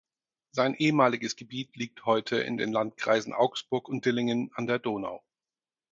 Sein ehemaliges Gebiet liegt heute in den Landkreisen Augsburg und Dillingen an der Donau.